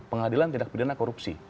pengadilan tindak pidana korupsi